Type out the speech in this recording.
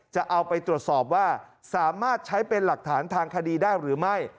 จะเอาไปตรวจสอบว่าสามารถใช้เป็นหลักฐานทางคดีได้หรือไม่